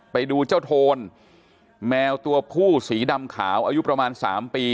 ไปดูเจ้าโทนแมวตัวผู้สีดำขาวอายุประมาณ๓ปี